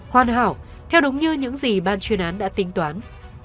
hoàn hảo theo đúng như những gì ban chuyên án đã tính toán